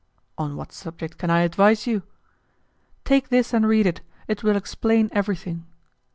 "On what subject can I advise you?" "Take this and read it; it will explain everything."